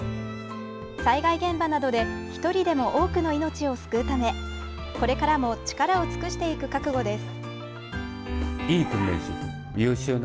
災害現場などで１人でも多くの命を救うためこれからも力を尽くしていく覚悟です。